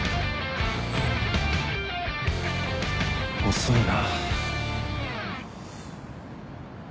遅いな。